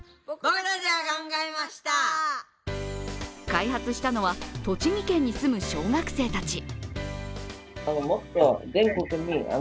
開発したのは栃木県に住む小学生たち。